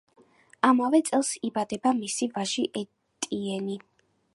ამავე წელს იბადება მისი ვაჟი, ეტიენი.